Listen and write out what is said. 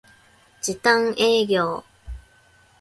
時短営業